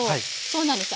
そうなんです。